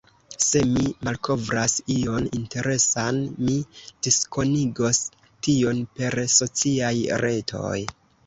Se mi malkovras ion interesan, mi diskonigos tion per sociaj retoj.